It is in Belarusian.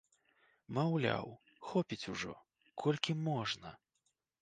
Маўляў, хопіць ужо, колькі можна!